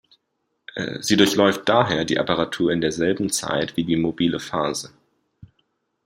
Sie durchläuft daher die Apparatur in derselben Zeit wie die mobile Phase.